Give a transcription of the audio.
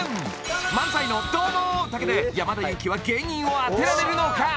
漫才の「どうも」だけで山田裕貴は芸人を当てられるのか？